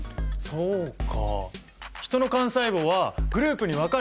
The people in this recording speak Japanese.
そうか。